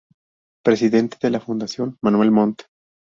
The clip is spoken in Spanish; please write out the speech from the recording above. Presidente de la Fundación Manuel Montt.